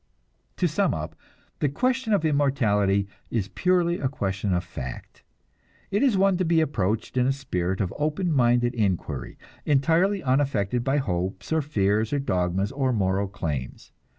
To sum up, the question of immortality is purely a question of fact. It is one to be approached in a spirit of open minded inquiry, entirely unaffected by hopes or fears or dogmas or moral claims.